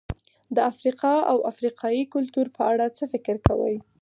د افریقا او افریقایي کلتور په اړه څه فکر کوئ؟